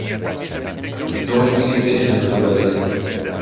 No existe en la naturaleza.